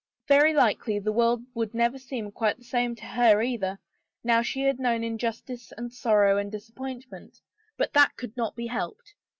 Very likely the world would never seem quite the same to her either, now she had known injustice and sorrow and disappointment, but that could not be helped.